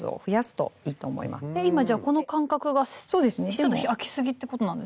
今じゃこの間隔がちょっと空きすぎってことなんですか？